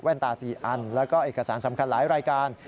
ตา๔อันแล้วก็เอกสารสำคัญหลายรายการ